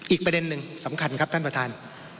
อีกประเด็นหนึ่งสำคัญครับท่านประธาน